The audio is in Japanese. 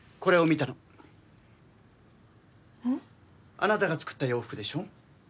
あなたが作った洋服でしょ？